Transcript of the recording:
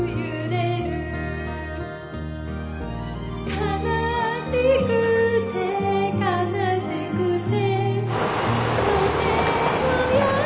「悲しくて悲しくて」